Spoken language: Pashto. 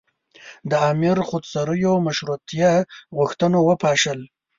د امیر خودسریو مشروطیه غوښتونکي وپاشل.